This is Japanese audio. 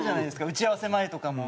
打ち合わせ前とかも。